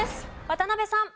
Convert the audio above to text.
渡辺さん。